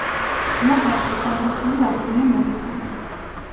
იატაკზე კვადრატული აგურია მოგებული.